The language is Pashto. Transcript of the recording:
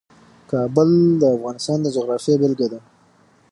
کابل د افغانستان د جغرافیې بېلګه ده.